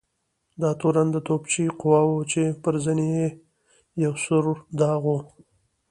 دا تورن د توپچي قواوو و چې پر زنې یې یو سور داغ و.